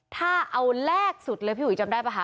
ถ้าเอาแรกสุดเลยพี่หวีจำได้ไหมคะ